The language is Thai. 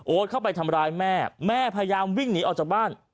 เข้าไปทำร้ายแม่แม่พยายามวิ่งหนีออกจากบ้าน